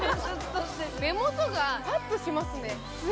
目元がパっとしますね。